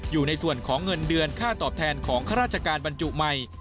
อยู่ในส่วนของเงินเดือนค่าตอบแทนของข้าราชการบรรจุใหม่